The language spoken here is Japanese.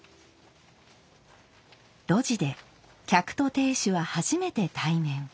露地で客と亭主は初めて対面。